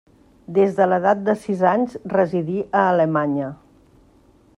Des de l'edat de sis anys residí a Alemanya.